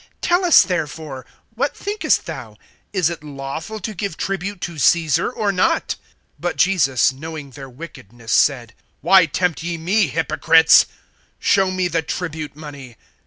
(17)Tell us, therefore, what thinkest thou? Is it lawful to give tribute to Caesar, or not? (18)But Jesus, knowing their wickedness, said: Why tempt ye me, hypocrites! (19)Show me the tribute money.